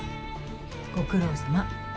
ご苦労さま。